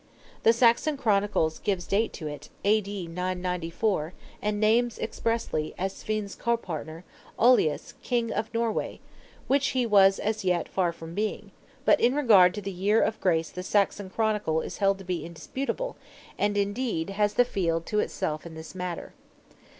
The Saxon Chronicle gives date to it, A.D. 994, and names expressly, as Svein's co partner, "Olaus, king of Norway," which he was as yet far from being; but in regard to the Year of Grace the Saxon Chronicle is to be held indisputable, and, indeed, has the field to itself in this matter.